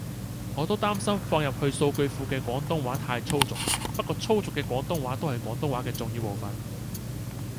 我都擔心放入去數據庫嘅廣東話太粗俗，不過粗俗嘅廣東話都係廣東話嘅重要部份